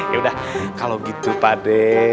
yaudah kalau gitu pak d